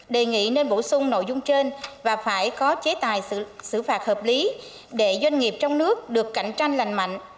đề nghị nên bổ sung nội dung trên và phải có chế tài xử phạt hợp lý để doanh nghiệp trong nước được cạnh tranh lành mạnh